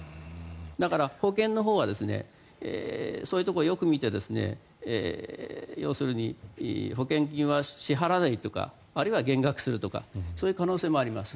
だから、保険のほうはそういうところをよく見て要するに保険金は支払わないとかあるいは減額するとかそういう可能性もあります。